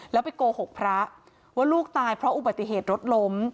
แล้วไปโกหกพระว่าลูกตายเพราะอุบัติเหตุรถล้ม